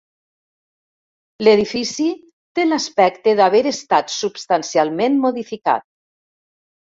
L'edifici té l'aspecte d'haver estat substancialment modificat.